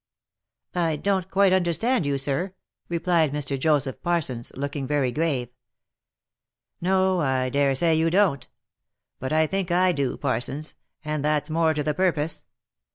I don't quite understand you, sir," replied Mr. Joseph Parsons, looking very grave. " No, I dare say you don't. But I think I do, Parsons, and that's more to the purpose.